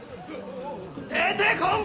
・出てこんか！